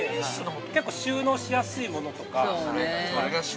結構収納しやすいものとか。